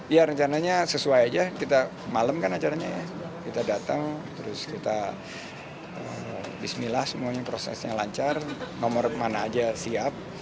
ya rencananya sesuai aja kita malam kan acaranya ya kita datang terus kita bismillah semuanya prosesnya lancar nomor mana aja siap